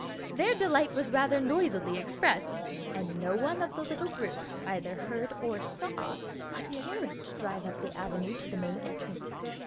Their delight was rather noisily expressed, and no one of the little group either heard or saw a carriage drive up the avenue to the main entrance.